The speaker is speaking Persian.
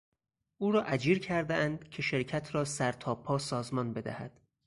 او را اجیر کردهاند که شرکت را سرتاپا سازمان بدهد.